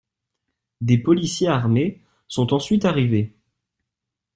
Des policiers armés sont ensuite arrivés.